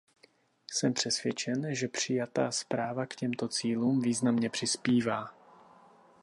Jsem přesvědčen, že přijatá zpráva k těmto cílům významně přispívá.